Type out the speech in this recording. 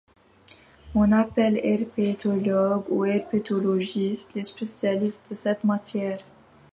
On appelle herpétologue ou herpétologiste les spécialistes de cette matière.